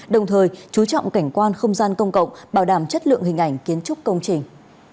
đồng thời chú trọng cảnh quan không gian công cộng bảo đảm chất lượng hình ảnh kiến trúc công trình